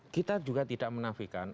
kita juga tidak menafikan